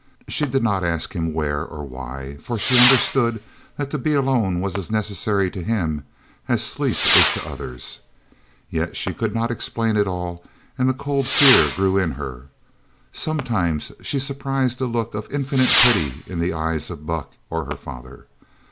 She did not ask him where or why, for she understood that to be alone was as necessary to him as sleep is to others. Yet she could not explain it all and the cold fear grew in her. Sometimes she surprised a look of infinite pity in the eyes of Buck or her father.